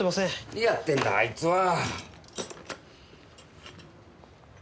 何やってんだあいつは！